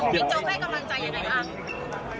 บิ๊กโจ๊กให้กำลังใจยังไงครับ